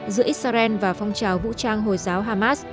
giữa israel và phong trào vũ trang hồi giáo hamas